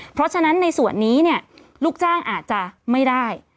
เพราะฉะนั้นในส่วนนี้เนี่ยลูกจ้างอาจจะไม่ได้